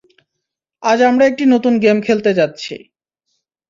আজ আমরা একটি নতুন গেম খেলতে যাচ্ছি।